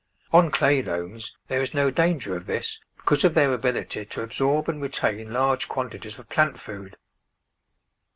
On clay loams there is no danger of this, because of their ability to absorb and retain large quantities of plant food.